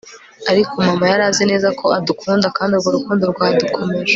ariko mama yari azi neza ko adukunda, kandi urwo rukundo rwadukomeje